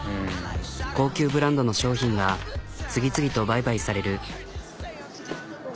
高級ブランドの商品が次々と売買される。